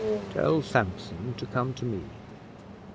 Tell Sampson to come to me."